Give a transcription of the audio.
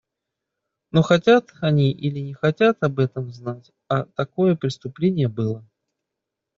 Но хотят они или не хотят об этом знать, а такое преступление было.